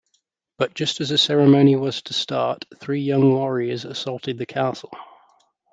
But just as the ceremony was to start, three young warriors assaulted the castle.